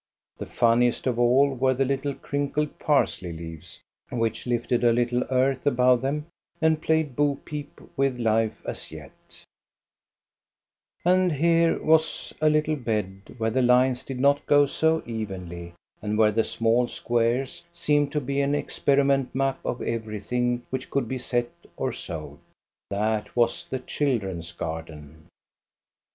The funniest of all were the little crinkled parsley leaves, which lifted a little earth above them and played bopeep with life as yet And here was a little bed where the lines did not go so evenly and where the small squares seemed to be an experiment map of everything which could be set or sowed. That was the children's garden.